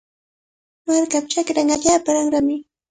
Markapa chakranqa allaapa ranrami.